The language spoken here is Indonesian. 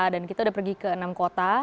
dan kita sudah pergi ke enam kota